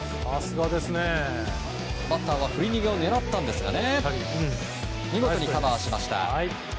バッターは振り逃げを狙ったんですが見事にカバーしました。